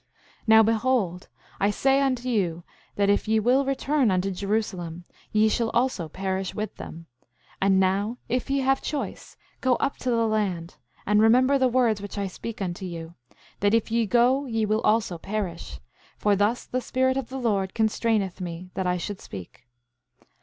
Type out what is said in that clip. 7:15 Now behold, I say unto you that if ye will return unto Jerusalem ye shall also perish with them. And now, if ye have choice, go up to the land, and remember the words which I speak unto you, that if ye go ye will also perish; for thus the Spirit of the Lord constraineth me that I should speak.